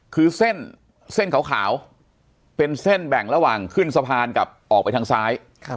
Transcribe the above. คือเส้นเส้นขาวเป็นเส้นแบ่งระหว่างขึ้นสะพานกับออกไปทางซ้าย